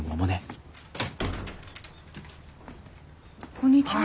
こんにちは。